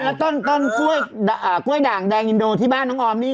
แล้วต้นกล้วยด่างแดงอินโดที่บ้านน้องออมนี่